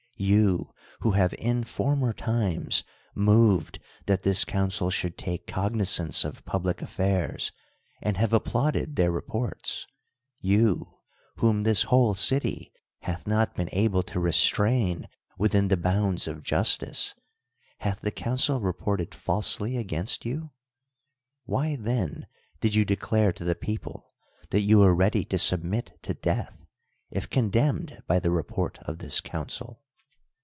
You who have in for mer times moved that this council should take cognizance of public affairs, and have applauded their reports ; you, whom this whole city hath not been able to restrain within the bounds of jus tice, hath the council reported falsely against you? Why then did you declare to the people that you were ready to submit to death if con demned by the report of this council?